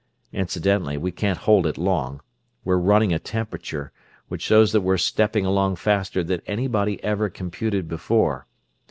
Incidentally, we can't hold it long. We're running a temperature, which shows that we're stepping along faster than anybody ever computed before.